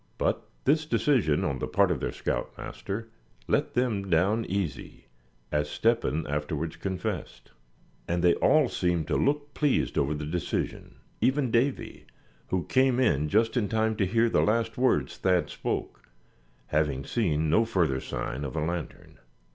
But this decision on the part of their scout master let them "down easy," as Step hen afterwards confessed. And they all seemed to look pleased over the decision, even Davy, who came in just in time to hear the last words Thad spoke, having seen no further sign of a lantern.